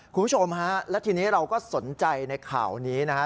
คุณผู้ชมฮะและทีนี้เราก็สนใจในข่าวนี้นะฮะ